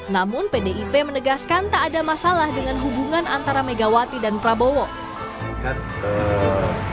namun pdip menegaskan tak ada masalah dengan hubungan antara megawati dan prabowo